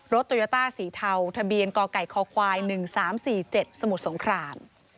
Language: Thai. โตโยต้าสีเทาทะเบียนกไก่คควาย๑๓๔๗สมุทรสงคราม